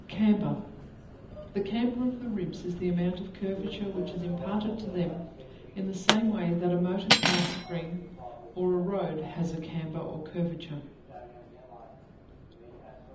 Camber The camber of the ribs is the amount of curvature which is imparted to them in the same way that a motor car spring or a road has a camber or curvature.